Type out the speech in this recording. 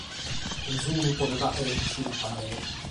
Onniune podet fàghere cussu chi li paret.